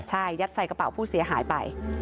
ใช่ยัดใส่กระเป๋าผู้เสียหายไป